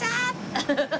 アハハハハ！